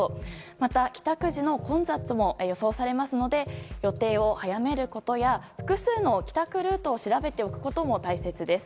また、帰宅時の混雑も予想されますので予定を早めることや複数の帰宅ルートを調べておくことも大切です。